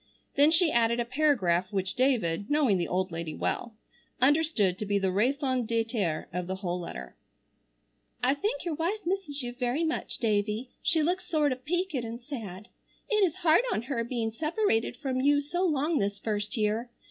Then she added a paragraph which David, knowing the old lady well, understood to be the raison d'être of the whole letter: "I think your wife misses you very much, Davie, she looks sort of peeked and sad. It is hard on her being separated from you so long this first year.